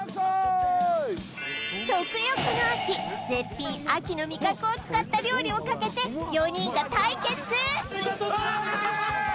食欲の秋絶品秋の味覚を使った料理をかけて４人が対決！